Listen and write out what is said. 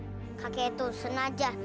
tidak menyebutkan namanya